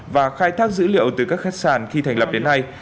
và khai thác dữ liệu từ các khách sạn khi thành lập đến nay